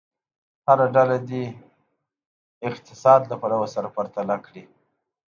هره ډله دې اقتصاد له پلوه سره پرتله کړي.